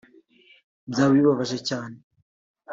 byaba bibabaje cyane